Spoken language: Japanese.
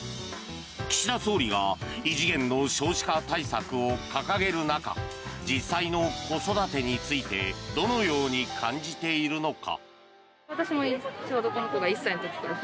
岸田総理が異次元の少子化対策を掲げる中実際の子育てについてどのように感じているのか。